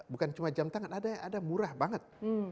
bukan cuma jam tangan ada murah banget